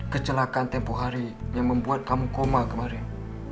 kecelakaan tempoh hari yang membuat kamu koma kemarin